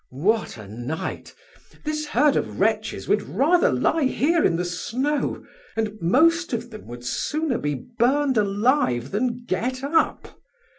What a night! This herd of wretches would rather lie here in the snow, and most of them would sooner be burned alive than get up....